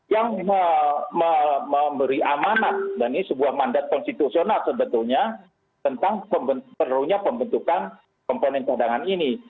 yang memberi amanat dan ini sebuah mandat konstitusional sebetulnya tentang perlunya pembentukan komponen cadangan ini